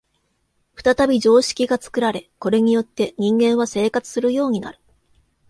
再び常識が作られ、これによって人間は生活するようになる。